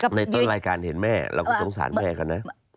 ในต้นรายการเห็นแม่เราก็สงสารแม่กันนะ